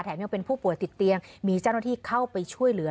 ยังเป็นผู้ป่วยติดเตียงมีเจ้าหน้าที่เข้าไปช่วยเหลือ